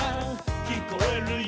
「きこえるよ」